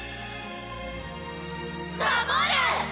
守る！